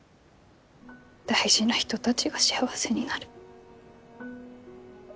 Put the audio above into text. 大事な人たちが幸せになる。